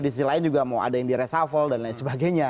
di sisi lain juga mau ada yang di resafel dan lain sebagainya